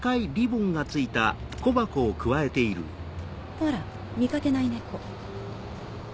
あら見かけない猫。